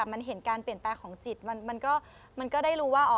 มันเห็นการเปลี่ยนแปลงของจิตมันก็ได้รู้ว่า